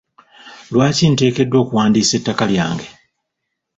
Lwaki nteekeddwa okuwandiisa ettaka lyange?